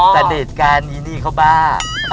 สนิทกันนนี่นี่เค้าบ้า